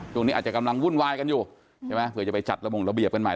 ช่วงนี้อาจจะกำลังวุ่นวายกันอยู่ใช่ไหมเผื่อจะไปจัดระบงระเบียบกันใหม่